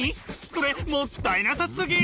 それもったいなさすぎ！